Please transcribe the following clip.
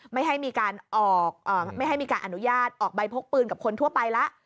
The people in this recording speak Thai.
ไม่ให้มีการออกไม่ให้มีการอนุญาตออกใบพกปืนกับคนทั่วไปแล้ว